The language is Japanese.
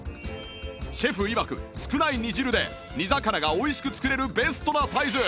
シェフいわく少ない煮汁で煮魚が美味しく作れるベストなサイズ